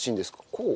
こう？